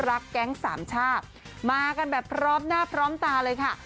แก๊งสามชาติมากันแบบพร้อมหน้าพร้อมตาเลยค่ะ